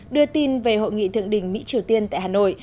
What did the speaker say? đưa tin về hội nghị thượng đỉnh mỹ triều tiên tại hà nội